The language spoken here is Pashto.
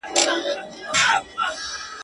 اوبولې یې ریشتیا د زړونو مراندي.